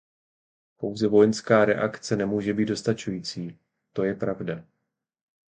Pouze vojenská reakce nemůže být dostačující, to je pravda.